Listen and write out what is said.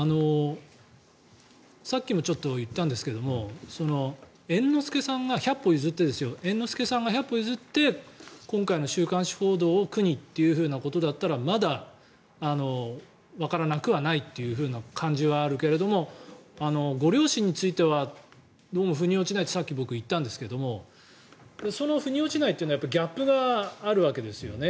さっきも言ったんですが猿之助さんが百歩譲って今回の週刊誌報道を苦にということだったらまだわからなくはないという感じはあるけれどもご両親についてはどうも腑に落ちないとさっき言ったんですがその腑に落ちないというのはギャップがあるわけですよね。